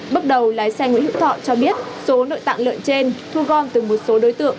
bước đầu lái xe nguyễn hữu thọ cho biết số nội tạng lợn trên thu gom từ một số đối tượng